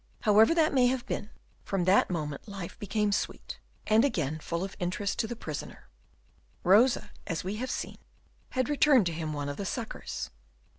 However that may have been, from that moment life became sweet, and again full of interest to the prisoner. Rosa, as we have seen, had returned to him one of the suckers.